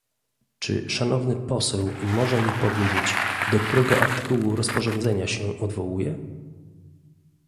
czy szanowny poseł może mi powiedzieć, do którego artykułu rozporządzenia się odwołuje?